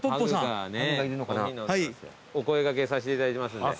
お声掛けさせていただいてますんで。